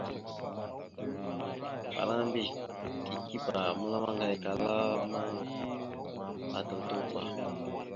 Afalaŋa mbiyez tikeba a məlam maŋgayakala ma, atal tuɓa.